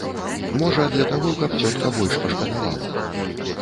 Можа, для таго, каб цётка больш пашкадавала.